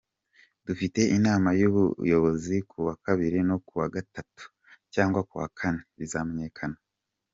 Dufite inama y’ubuyobozi kuwa Kabiri no ku wa Gatatu cyangwa kuwa Kane, bizamenyekana.